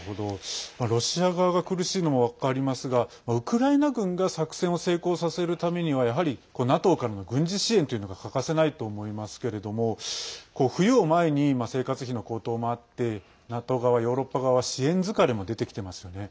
ロシア側が苦しいのも分かりますがウクライナ軍が作戦を成功させるためにはやはり、ＮＡＴＯからの軍事支援というのが欠かせないと思いますけれども冬を前に生活費の高騰もあってＮＡＴＯ側、ヨーロッパ側支援疲れも出てきていますよね。